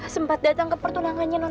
sempat datang ke pertunangannya non